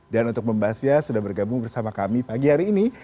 dan untuk membahasnya sudah bergabung bersama kami pagi hari ini